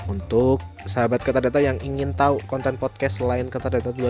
untuk sahabat kata data yang ingin tahu konten podcast selain kata data dua puluh lima